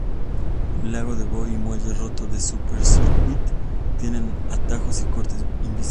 Lago de Boo y Muelle Roto de "Super Circuit" tienen atajos o cortes invisibles.